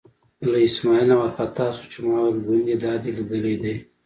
له اسمعیل نه وار خطا شو چې ما ویل ګوندې دا دې لیدلی دی.